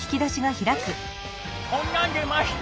こんなん出ました。